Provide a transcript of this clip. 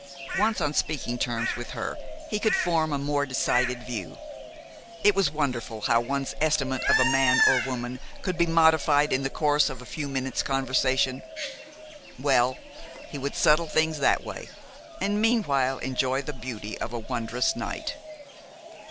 Once on speaking terms with her, he could form a more decided view. It was wonderful how one's estimate of a man or woman could be modified in the course of a few minutes' conversation. Well, he would settle things that way, and meanwhile enjoy the beauty of a wondrous night.